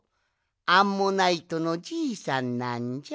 アンモナイトのじいさんなんじゃ。